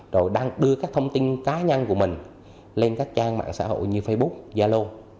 rồi đăng đưa các thông tin cá nhân của mình lên các trang mạng xã hội như facebook yalo